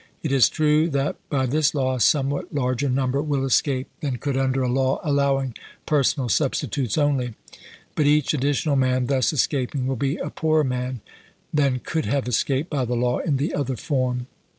It is true that by this law a somewhat larger number will escape than could under a law allowing personal substitutes only ; but each ad ditional man thus escaping will be a poorer man than could have escaped by the law in the other form.